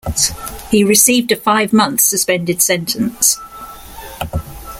He received a five-month suspended sentence.